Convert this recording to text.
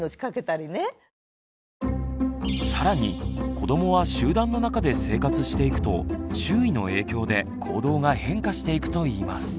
更に子どもは集団の中で生活していくと周囲の影響で行動が変化していくといいます。